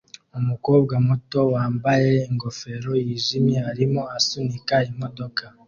Umukobwa muto wambaye ingofero yijimye arimo asunika imodoka